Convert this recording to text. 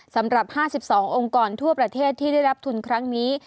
สำหรับ๕๒องค์กรทั่วประเทศที่ได้รับทุนครั้งนี้